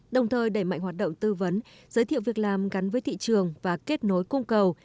đồng thời đẩy mạnh hoạt động tư vấn giới thiệu việc làm gắn với thị trường và kết nối cung cầu